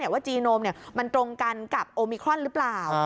ว่าจีโนมมันตรงกันกับโอมิครอนหรือเปล่า